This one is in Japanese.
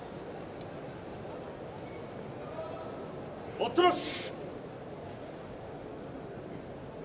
待ったなし。